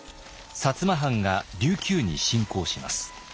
摩藩が琉球に侵攻します。